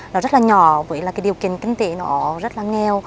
nó rất là nhỏ với điều kiện kinh tế nó rất là nghèo